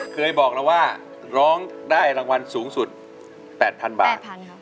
เคยบอกแล้วว่าร้องได้รางวัลสูงสุด๘๐๐๐บาท